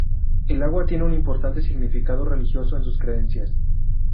El agua tiene un importante significado religioso en sus creencias.